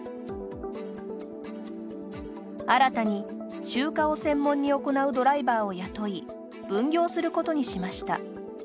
新たに集荷を専門に行うドライバーを雇い分業することにしました。